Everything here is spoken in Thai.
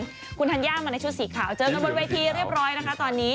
คุณธัญญามาในชุดสีขาวเจอกันบนเวทีเรียบร้อยนะคะตอนนี้